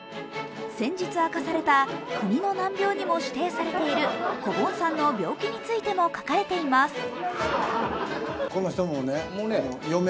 先日明かされた国の難病にも指定されているこぼんさんの病気についても書かれています。